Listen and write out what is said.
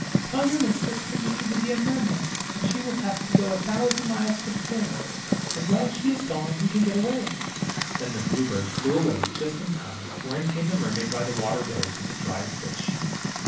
Tell your mistress that you mean to be a mer man, and she will have to go a thousand miles for the fin, and while she is gone you can get away." Then the blue bird flew aiway, just in time ; for in came the mermaid by the water road, with the dried fish.